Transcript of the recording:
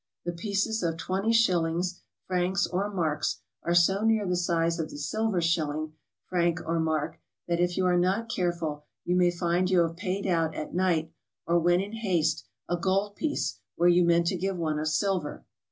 The pieces of 20 shillings, francs, or marks are so near the size of the silver shilling, franc, or mark that if you are not careful you may find you have paid out at night or when in haste a gold piece where you meant to give one of silver.